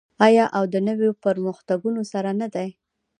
آیا او د نویو پرمختګونو سره نه دی؟